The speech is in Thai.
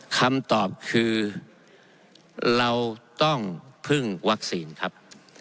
คำตอบคือเราต้องพึ่งวัคซีนครับ